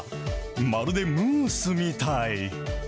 まるでムースみたい。